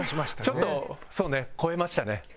ちょっとそうね肥えましたね。